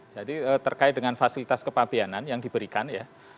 jadi terkait dengan fasilitas kepapianan yang diberikan ya